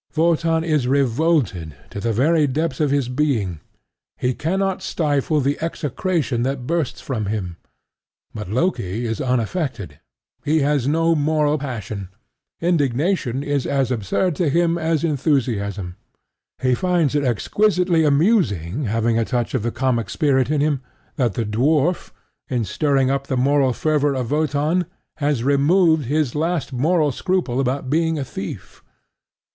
Wotan is revolted to the very depths of his being: he cannot stifle the execration that bursts from him. But Loki is unaffected: he has no moral passion: indignation is as absurd to him as enthusiasm. He finds it exquisitely amusing having a touch of the comic spirit in him that the dwarf, in stirring up the moral fervor of Wotan, has removed his last moral scruple about becoming a thief.